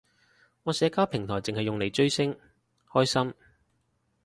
我社交平台剩係用嚟追星，開心